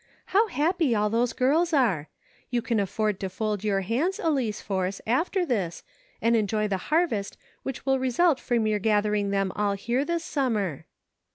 How happy all those girls are. You can afford to fold your hands, Elice Force, after this, and enjoy the harvest which will result from your gathering them all here this sum mer."